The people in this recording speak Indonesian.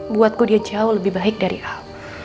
buatku dia jauh lebih baik dari aku